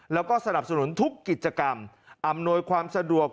แล้วก็สนับสนุนทุกกิจกรรมอำนวยความสะดวก